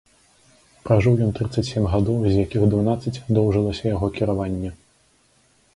Пражыў ён трыццаць сем гадоў, з якіх дванаццаць доўжылася яго кіраванне.